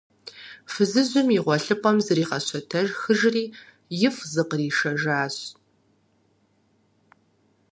Фызыжьым и гъуэлъыпӀэм зригъэщэтэхыжри, ифӀ зыкъришэжащ.